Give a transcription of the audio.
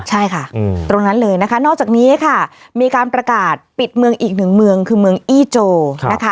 ใช่ค่ะตรงนั้นเลยนะคะนอกจากนี้ค่ะมีการประกาศปิดเมืองอีกหนึ่งเมืองคือเมืองอี้โจนะคะ